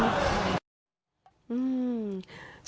เลยค่ะ